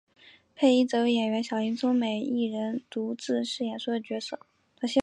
配音则由演员小林聪美一人独自饰演所有角色。